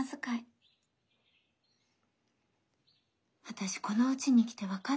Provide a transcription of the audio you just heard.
私このうちに来て分かったの。